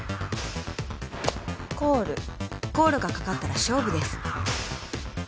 コール［コールが掛かったら勝負です］